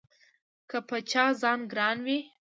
که په چا ځان ګران وي